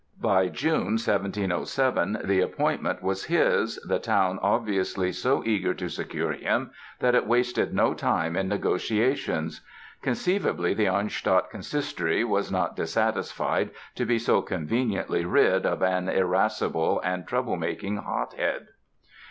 By June 1707, the appointment was his, the town obviously so eager to secure him that it wasted no time in negotiations. Conceivably the Arnstadt Consistory was not dissatisfied to be so conveniently rid of an irascible and troublemaking hothead.